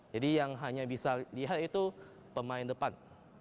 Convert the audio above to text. jadi yang hanya bisa dilihat itu pemain depan